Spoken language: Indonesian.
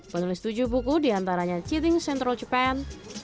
penulis tujuh buku diantaranya cheating central japan